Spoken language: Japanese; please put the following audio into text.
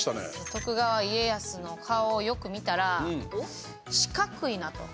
徳川家康の顔をよく見たら四角いなと。